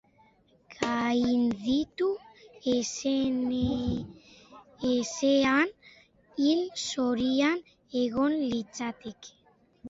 Gainditu ezean, hilzorian egongo litzateke.